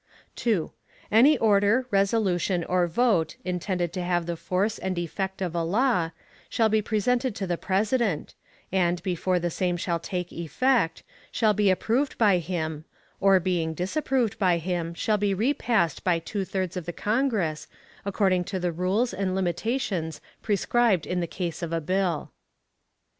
2. Every order, resolution, or vote intended to have the force and effect of a law, shall be presented to the President, and, before the same shall take effect, shall be approved by him, or, being disapproved by him, shall be repassed by two thirds of the Congress, according to the rules and limitations prescribed in the case of a bill.